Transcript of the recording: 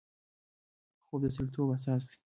خوب د سړیتوب اساس دی